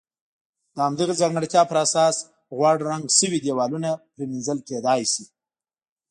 د همدغې ځانګړتیا پر اساس غوړ رنګ شوي دېوالونه پرېمنځل کېدای شي.